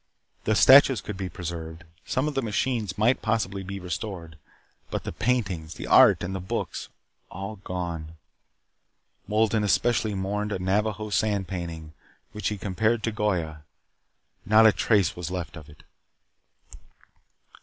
The statues could be preserved. Some of the machines might possibly be restored. But the paintings, the art, and the books. All gone. Wolden especially mourned a Navajo sand painting, which he compared to Goya. Not a trace was left of it.